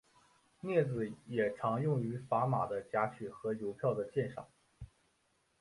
镊子也常用于砝码的夹取和邮票的鉴赏。